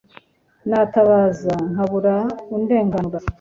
natabaza, nkabura undenganura